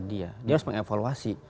dia harus mengevaluasi